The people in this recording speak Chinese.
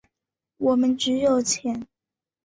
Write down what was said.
我们只有钱。